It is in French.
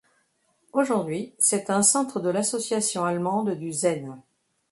Aujourd'hui, c'est un centre de l'association allemande du zen.